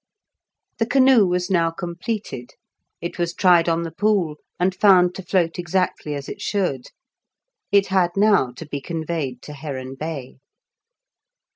The canoe was now completed; it was tried on the pool and found to float exactly as it should. It had now to be conveyed to Heron Bay.